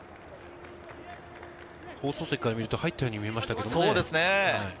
放送席から見ると入ったように見えましたけどね。